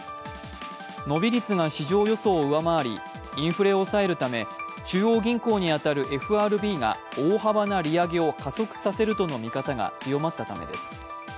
伸び率が市場予想を上回りインフレを抑えるため中央銀行に当たるＦＲＢが大幅な利上げを加速させるとの見方が強まったためです。